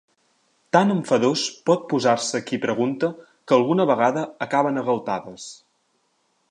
Tan enfadós pot posar-se qui pregunta que alguna vegada acaben a galtades.